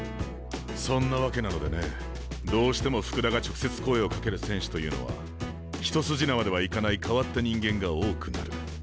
そんな訳なのでねどうしても福田が直接声をかける選手というのは一筋縄ではいかない変わった人間が多くなる。